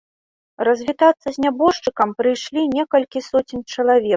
Развітацца з нябожчыкам прыйшлі некалькі соцень чалавек.